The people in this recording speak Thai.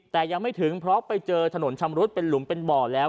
แต่ยังไม่ถึงเพราะไปเจอถนนชำรุดเป็นหลุมเป็นบ่อแล้ว